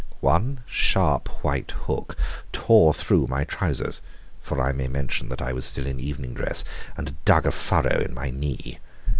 One sharp, white hook tore through my trousers for I may mention that I was still in evening dress and dug a furrow in my knee.